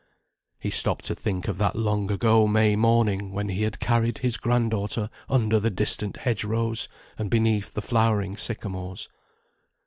He stopped to think of that long ago May morning, when he had carried his grand daughter under the distant hedge rows and beneath the flowering sycamores.